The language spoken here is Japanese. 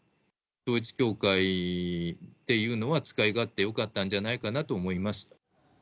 統一教会っていうのは、使い勝手よかったんじゃないかなと思います。